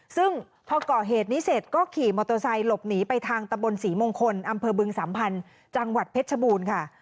ซึ่งพอก่อเหตุนี้เสร็จก็ขี่มอเตอร์ไซค์หลบหนีไปทางตะบนศรีมงคลอำเภอบึงสัมพันธ์จังหวัดเพชรชบูรณ์ค่ะ